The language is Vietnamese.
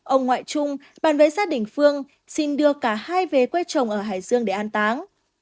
ông ngoại trung bàn với gia đình phương xin đưa cả hai về quê trồng ở hải dương để an táng